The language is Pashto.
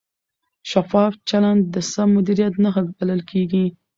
شفاف چلند د سم مدیریت نښه بلل کېږي.